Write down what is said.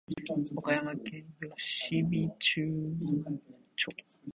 岡山県吉備中央町